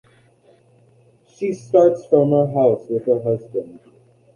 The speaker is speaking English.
She starts from her house with her husband.